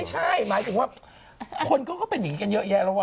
ใช่หมายถึงว่าคนเขาก็เป็นอย่างนี้กันเยอะแยะแล้วว่